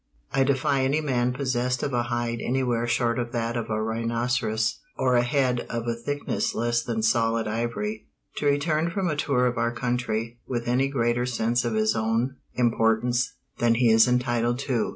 I defy any man possessed of a hide anywhere short of that of a rhinoceros, or a head of a thickness less than solid ivory, to return from a tour of our country with any greater sense of his own importance than he is entitled to.